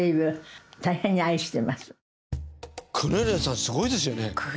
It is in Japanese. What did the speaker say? すごいですよね。